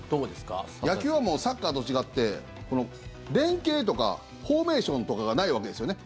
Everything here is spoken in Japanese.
野球はサッカーと違って連係とかフォーメーションとかがないわけですよね。